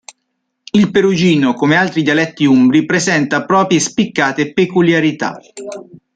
Il perugino, come altri dialetti umbri, presenta proprie spiccate peculiarità.